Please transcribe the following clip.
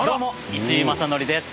石井正則です。